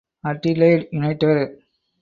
Adelaide United